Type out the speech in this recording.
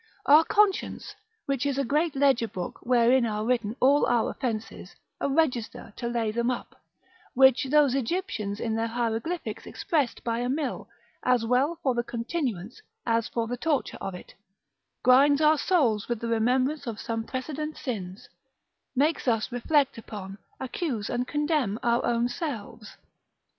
Our conscience, which is a great ledger book, wherein are written all our offences, a register to lay them up, (which those Egyptians in their hieroglyphics expressed by a mill, as well for the continuance, as for the torture of it) grinds our souls with the remembrance of some precedent sins, makes us reflect upon, accuse and condemn our own selves.